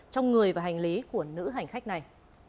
trong người và hành lý của nữ hành khách này